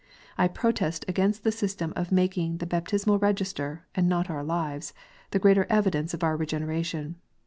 II protest against the system of making the baptismal register, and! not our lives, the great evidence of our Regeneration.